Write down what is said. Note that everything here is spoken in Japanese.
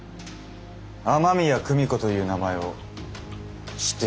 雨宮久美子という名前を知っていますか？